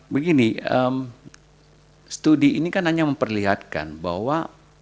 begini studi ini kan hanya memperlihatkan bahwa